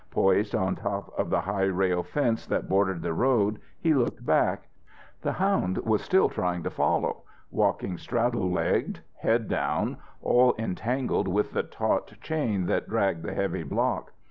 Poised on top of the high rail fence that bordered the road, he looked back. The hound was still trying to follow, walking straddle legged, head down, all entangled with the taut chain that dragged the heavy block.